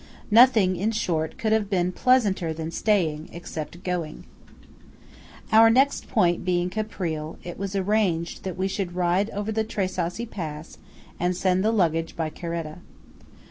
Nothing, in short, could have been pleasanter than staying–except going. Our next point being Caprile, it was arranged that we should ride over the Tre Sassi pass and send the luggage by caretta.